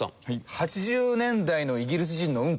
８０年代のイギリス人のウンコ。